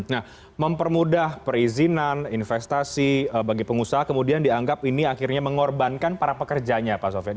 nah mempermudah perizinan investasi bagi pengusaha kemudian dianggap ini akhirnya mengorbankan para pekerjanya pak sofian